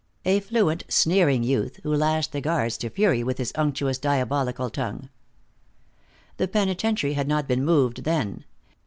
A fluent, sneering youth, who lashed the guards to fury with his unctuous, diabolical tongue. The penitentiary had not been moved then.